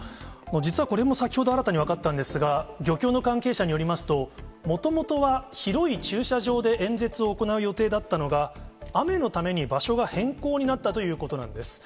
実は、これも先ほど新たに分かったんですが、漁協の関係者によりますと、もともとは広い駐車場で演説を行う予定だったのが、雨のために場所が変更になったということなんです。